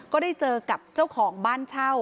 ก็ได้เจอกับเจ้าของบ้านเช่า